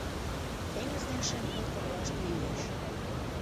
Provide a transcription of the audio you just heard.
Теҥыз ден шем пыл коклаште иеш